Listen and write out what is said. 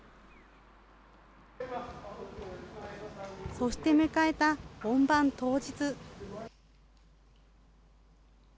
そして迎えた本番当日。